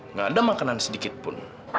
nggak ada makanan sedikit pun